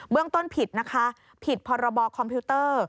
เรื่องต้นผิดนะคะผิดพรบคอมพิวเตอร์